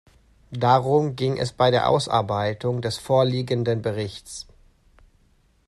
Darum ging es bei der Ausarbeitung des vorliegenden Berichts.